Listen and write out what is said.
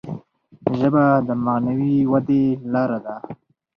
ژبه د معنوي ودي لاره ده.